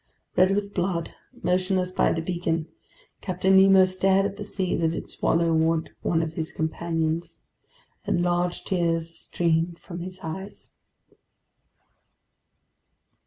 Red with blood, motionless by the beacon, Captain Nemo stared at the sea that had swallowed one of his companions, and large tears streamed from his eyes.